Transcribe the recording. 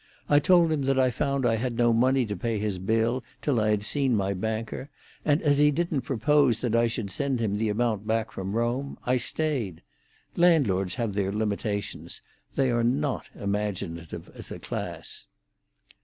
I told him that I found I had no money to pay his bill till I had seen my banker, and as he didn't propose that I should send him the amount back from Rome, I stayed. Landlords have their limitations; they are not imaginative, as a class."